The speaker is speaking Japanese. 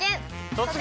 「突撃！